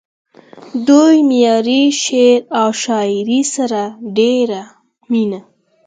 دوي معياري شعر و شاعرۍ سره ډېره مينه